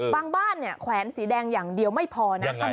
บ้านเนี่ยแขวนสีแดงอย่างเดียวไม่พอนะ